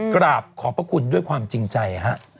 ขอบพระคุณด้วยความจริงใจ